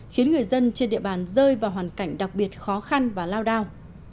khiến người dân trên địa bàn rơi vào hoàn cảnh đặc biệt khó khăn và lao đao